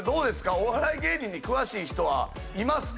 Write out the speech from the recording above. お笑い芸人に詳しい人はいますか？